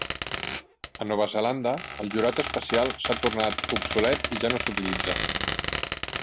A Nova Zelanda, el jurat especial s'ha tornat obsolet i ja no s'utilitza.